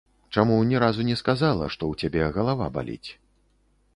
Чаму ні разу не сказала, што ў цябе галава баліць.